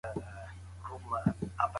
د وطن مينه په زړه کې وي.